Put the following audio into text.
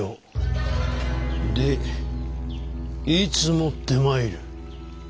でいつ持ってまいる？